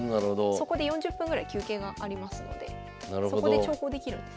そこで４０分ぐらい休憩がありますのでそこで長考できるんですよ